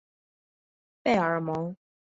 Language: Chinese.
贝尔蒙。